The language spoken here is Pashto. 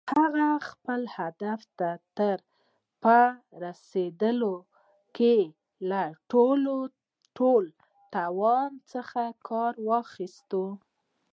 هغه خپل هدف ته په رسېدلو کې له ټول توان څخه کار واخيست.